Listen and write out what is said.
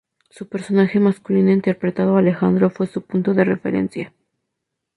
Su personaje masculino interpretando a Alejandro, fue su punto de referencia.